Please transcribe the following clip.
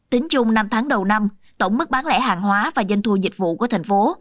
tính chung năm tháng đầu năm tổng mức bán lẻ hàng hóa và doanh thu dịch vụ của thành phố